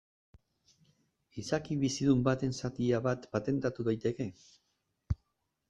Izaki bizidun baten zatia bat patentatu daiteke?